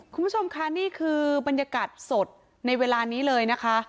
คุณผู้ชมค่ะนี่คือบรรยากาศสดในเวลานี้เลยนะคะ